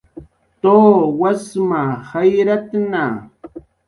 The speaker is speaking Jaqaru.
Tu, wasma jayratna